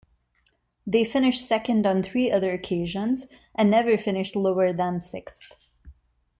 They finished second on three other occasions, and never finished lower than sixth.